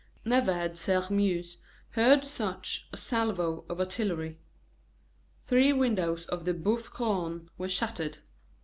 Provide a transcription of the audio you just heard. Never had Sairmeuse heard such a salvo of artillery. Three windows in the Boeuf Couronne were shattered.